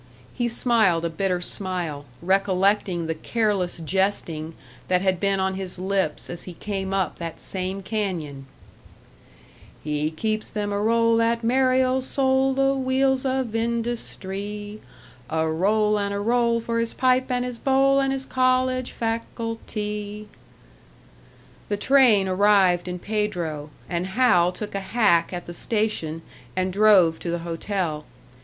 He smiled a bitter smile, recollecting the careless jesting that had been on his lips as he came up that same canyon: "He keeps them a roll, that merry old soul The wheels of industree; A roll and a roll, for his pipe and his bowl And his college facultee!" The train arrived in Pedro, and Hal took a hack at the station and drove to the hotel.